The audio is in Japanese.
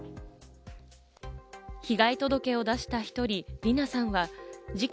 被害届を出した一人、りなさんは事件